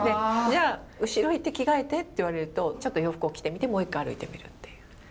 「じゃあ後ろ行って着替えて」って言われるとちょっと洋服を着てみてもう一回歩いてみるっていう。